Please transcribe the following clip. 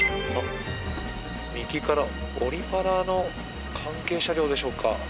右からオリ・パラの関係車両でしょうか。